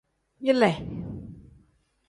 Yile.